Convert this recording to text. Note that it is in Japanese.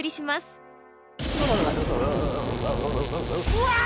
うわ！